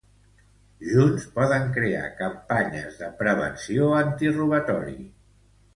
Junts poden crear campanyes de prevenció antirobatori.